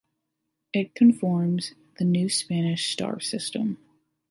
It conforms the new Spanish star-system.